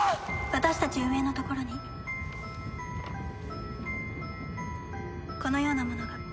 私たち運営のところにこのようなものが。